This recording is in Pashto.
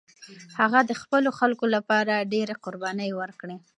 هغه د خپلو خلکو لپاره ډېرې قربانۍ ورکړې.